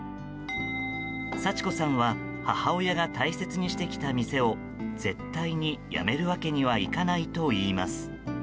幸子さんは母親が大切にしてきた店を絶対にやめるわけにはいかないといいます。